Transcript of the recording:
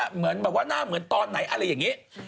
เหมือนแบบว่าหน้าเหมือนตอนไหนอะไรอย่างนี้